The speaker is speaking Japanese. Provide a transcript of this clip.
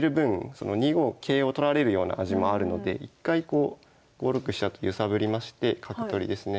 ２五桂を取られるような味もあるので一回こう５六飛車と揺さぶりまして角取りですね。